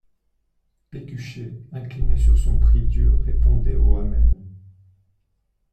Pécuchet incliné sur son prie-Dieu répondait aux Amen.